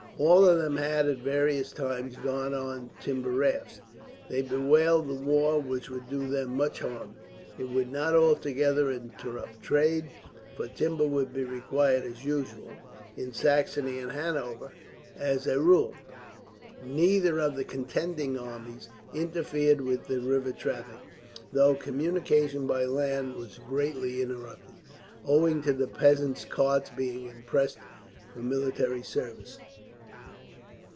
All of them had, at various times, gone on timber rafts. They bewailed the war, which would do them much harm. It would not altogether interrupt trade, for timber would be required, as usual, in Saxony and Hanover. As a rule, neither of the contending armies interfered with the river traffic; though communications by land were greatly interrupted, owing to the peasants' carts being impressed for military service.